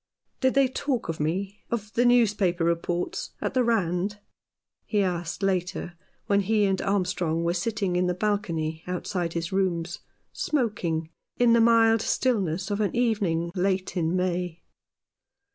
" Did they talk of me — of the newspaper reports — at the Rand ?" he asked, later, when he and Armstrong were sitting in the balcony outside his rooms, smoking, in the mild stillness of an evening late in May.